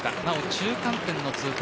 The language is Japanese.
中間点の通過